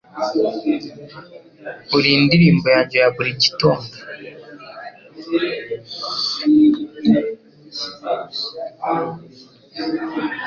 Uri indirimbo yanjye yaburi gitondo